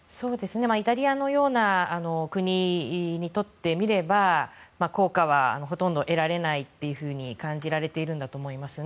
イタリアのような国にとってみれば効果はほとんど得られないと感じられているんだと思います。